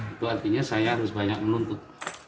itu artinya saya harus banyak menuntut